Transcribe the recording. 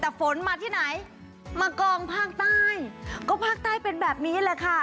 แต่ฝนมาที่ไหนมากองภาคใต้ก็ภาคใต้เป็นแบบนี้แหละค่ะ